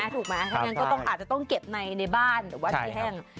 ถูกมั้ยถ้าอย่างนั้นก็ต้องเก็บในบ้านหรือแห้ง